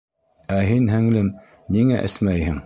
Ә һин, һеңлем, ниңә эсмәйһең?